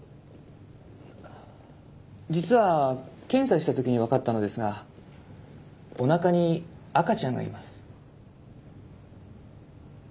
実は検査した時に分かったのですがおなかに赤ちゃんがいます。